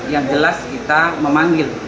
yang jelas kita memanggil